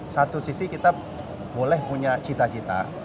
satu sisi kita boleh punya cita cita